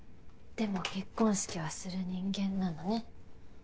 でも結婚式はする人間なのね。